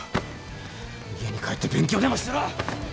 家に帰って勉強でもしてろ。